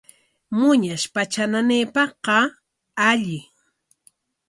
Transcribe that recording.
Muñash patra nanaypaqqa alli.